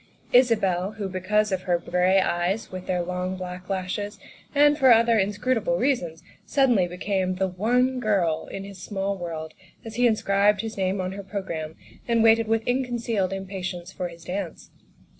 Isabel, who because of her gray eyes with their long, black lashes, and for other inscrutable reasons, suddenly became the One Girl in his small world as he inscribed his name on her programme and waited with ill concealed impa tience for his dance.